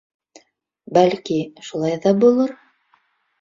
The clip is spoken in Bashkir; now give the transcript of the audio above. Бәлки, шулай ҙа булыр.